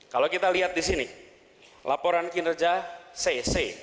kalau kita lihat di sini laporan kinerja c c